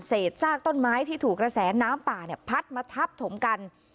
ซากต้นไม้ที่ถูกกระแสน้ำป่าเนี่ยพัดมาทับถมกัน